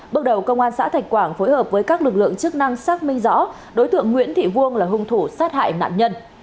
bước đầu công an xã thạch quảng phối hợp với các lực lượng chức năng xác minh rõ đối tượng nguyễn thị vuông là hung thủ sát hại nạn nhân